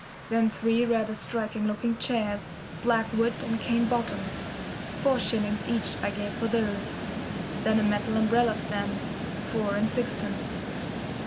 Then three rather striking looking chairs, black wood and cane bottoms. Four shillings each I gave for those. Then a metal umbrella stand, four and sixpence.